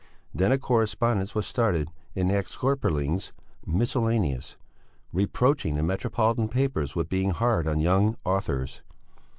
Then a correspondence was started in the X köpings Miscellaneous, reproaching the metropolitan papers with being hard on young authors.